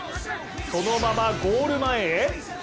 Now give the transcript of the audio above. そのままゴール前へ。